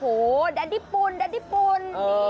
โหดัดดี้ปุ่น